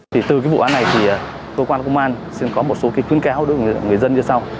thì cơ quan công an xin có một số khuyến cáo đối với người dân như sau